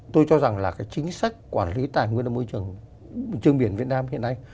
tôi cho rằng là chính sách quản lý tài nguyên và môi trường biển việt nam hiện nay